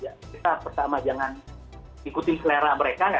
kita pertama jangan ikutin selera mereka ya